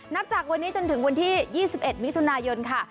นับจากวันนี้จนถึงวันที่๒๑มิถุนายนค่ะ